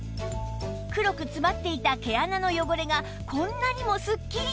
黒く詰まっていた毛穴の汚れがこんなにもすっきり！